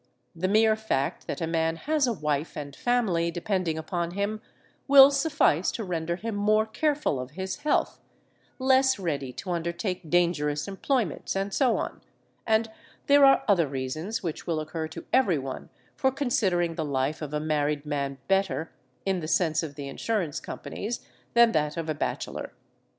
The mere fact that a man has a wife and family depending upon him will suffice to render him more careful of his health, less ready to undertake dangerous employments, and so on; and there are other reasons which will occur to everyone for considering the life of a married man better (in the sense of the insurance companies) than that of a bachelor.